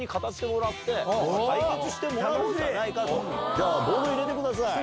ではボード入れてください。